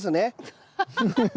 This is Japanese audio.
ハハハハッ。